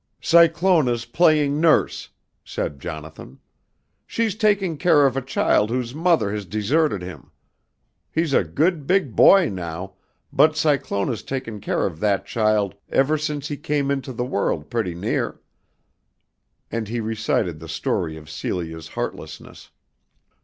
"Cyclona's playing nurse," said Jonathan. "She's taking care of a child whose mother has deserted him. He is a good big boy now, but Cyclona's taken care of that child ever since he come into the world putty near," and he recited the story of Celia's heartlessness.